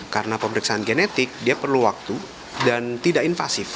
karena pemeriksaan genetik dia perlu waktu dan tidak invasif